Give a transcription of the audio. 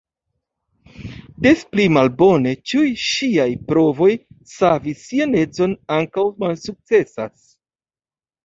Des pli malbone, ĉiuj ŝiaj provoj savi sian edzon ankaŭ malsukcesas.